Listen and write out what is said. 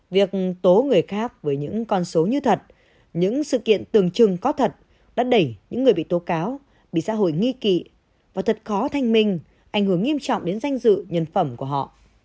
việc tố người khác với những con số như thật những sự kiện tưởng chừng có thật đã đẩy những người bị tố cáo bị xã hội nghi kỵ và thật khó thanh minh ảnh hưởng nghiêm trọng đến danh dự nhân phẩm của họ